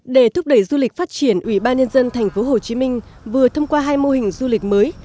để thúc đẩy du lịch phát triển ủy ban nhân dân thành phố hồ chí minh vừa thông qua hai mô hình du lịch mới